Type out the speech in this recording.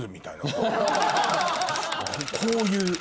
こういう。